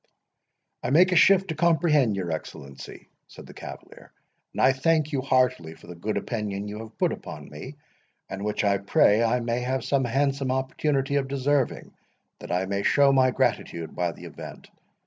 "I make a shift to comprehend your Excellency," said the cavalier; "and I thank you heartily for the good opinion you have put upon me, and which, I pray I may have some handsome opportunity of deserving, that I may show my gratitude by the event.